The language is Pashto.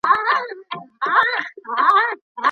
په نیمه ژبه وايي.